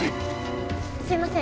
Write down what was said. すいません。